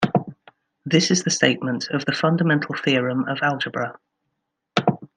This is the statement of the "fundamental theorem of algebra".